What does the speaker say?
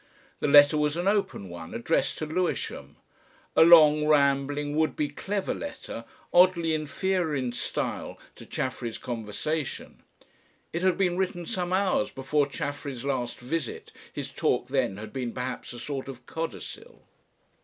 The letter was an open one addressed to Lewisham, a long rambling would be clever letter, oddly inferior in style to Chaffery's conversation. It had been written some hours before Chaffery's last visit his talk then had been perhaps a sort of codicil.